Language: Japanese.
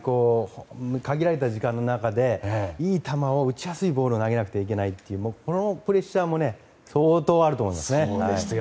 限られた時間の中でいい球、打ちやすいボールを投げなくてはいけないというこのプレッシャーも相当あると思います。